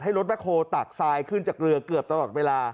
รถแคลตักทรายขึ้นจากเรือเกือบตลอดเวลา